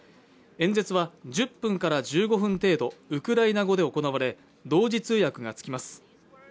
演説は１０分から１５分程度ウクライナ語で行われ同時通訳がつきます